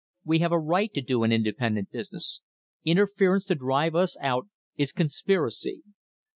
We have a right to do an independent business. Interference to drive us out is conspiracy.